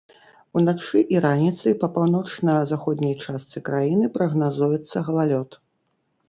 Уначы і раніцай па паўночна-заходняй частцы краіны прагназуецца галалёд.